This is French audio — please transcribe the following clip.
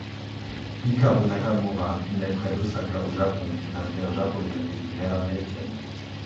Hikaru Nakamura nait près d'Ōsaka au Japon, d'un père japonais et d'une mère américaine.